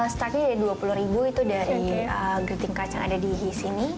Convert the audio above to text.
starting dari rp dua puluh itu dari greeting card yang ada di sini